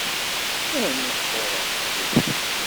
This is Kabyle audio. Armi qqureɣ seg tugdi!